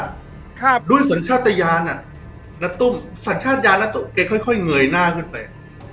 ครับด้วยสัญชาติยานอ่ะณตุ้มสัญชาติยานณตุ้มแกค่อยค่อยเงยหน้าขึ้นไป